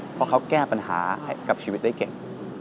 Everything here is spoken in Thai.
เพราะเขาแก้ปัญหาให้กับชีวิตได้เก่ง